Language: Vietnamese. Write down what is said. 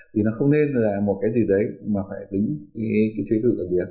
thì nó không nên là một cái gì đấy mà phải tính cái thuế tiêu thụ đặc biệt